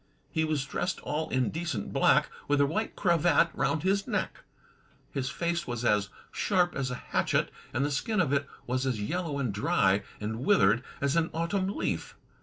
He was dressed all in decent black, with a white cravat roimd his neck. His face was as sharp as a hatchet, and the skin of it was as yel low and dry and withered as an autumn leaf.